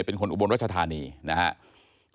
เป็นคนอุบลวัชธานีนะฮะ